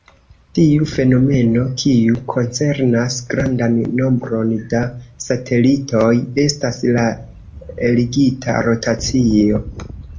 Tiu fenomeno, kiu koncernas grandan nombron da satelitoj, estas la ligita rotacio.